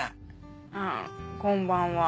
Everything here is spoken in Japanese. あこんばんは。